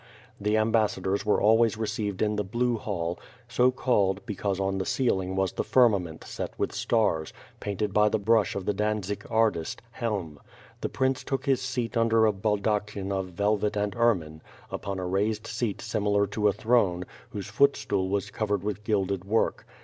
The ambassadors were always re ceived in the Elue Hall, so called, because on the ceiling was the firmament set with stars, painted by the brush of the Dantzig artist. Helm. The prince took his seat under a baldachin of velvet and ermine, upon a raised seat similar to a throne, whose footstool was covered with gilded work.